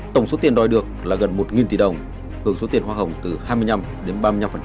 tổng số tiền đòi được là gần một tỷ đồng hưởng số tiền hoa hồng từ hai mươi năm đến ba mươi năm